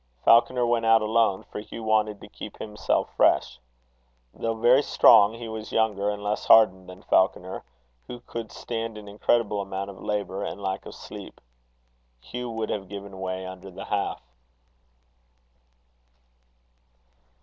Falconer went out alone, for Hugh wanted to keep himself fresh. Though very strong, he was younger and less hardened than Falconer, who could stand an incredible amount of labour and lack of sleep. Hugh would have given way under the half.